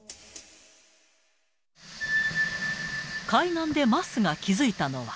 海岸で桝が気付いたのは。